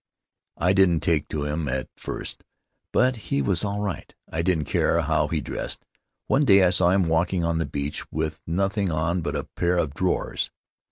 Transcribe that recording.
I didn't take to him at first, but he was all right. He didn't care how he dressed; one day I saw him walking on the beach with nothing on but a pair of drawers."